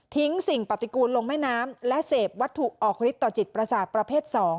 สิ่งปฏิกูลลงแม่น้ำและเสพวัตถุออกฤทธิต่อจิตประสาทประเภท๒